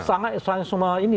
sangat semua ini